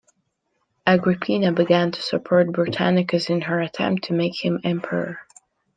Agrippina began to support Britannicus in her attempt to make him emperor.